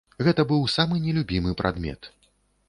Гэта быў самы нелюбімы прадмет.